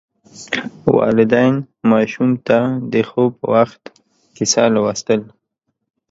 والدین ماشوم ته د خوب وخت کیسه لوستل.